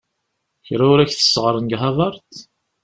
Kra ur ak-t-sseɣren deg Havard?